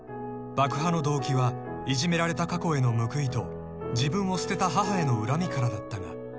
［爆破の動機はいじめられた過去への報いと自分を捨てた母への恨みからだったが］